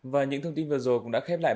và những thông tin vừa rồi cũng đã khép lại